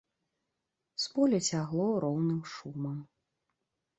З поля цягло роўным шумам.